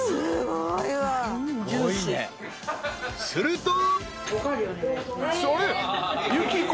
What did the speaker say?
［すると］